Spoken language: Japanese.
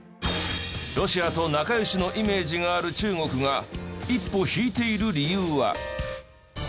ロシアと仲良しのイメージがある中国が一歩引いている理由は。